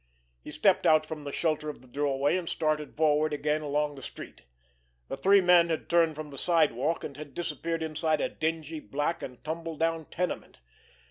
He stepped out from the shelter of the doorway, and started forward again along the street. The three men had turned from the sidewalk, and had disappeared inside a dingy, black and tumble down tenement.